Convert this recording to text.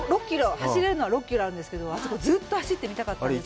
走れるのは６キロあるんですけど、あそこずっと走ってみたかったんです。